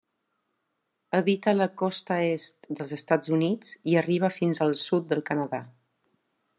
Habita la costa est dels Estats Units i arriba fins al sud del Canadà.